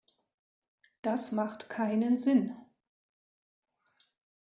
Das macht keinen Sinn!